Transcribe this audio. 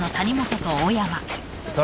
誰？